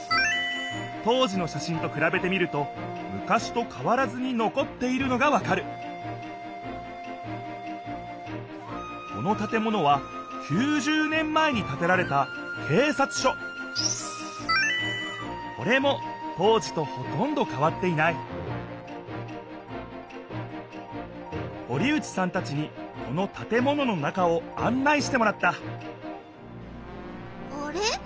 当時のしゃしんとくらべてみると昔と変わらずに残っているのがわかるこの建物は９０年前に建てられたけいさつしょこれも当時とほとんど変わっていない堀内さんたちにこの建物の中をあん内してもらったあれ？